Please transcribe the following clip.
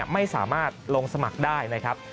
ไม่สามารถลงสมัครได้นะครับ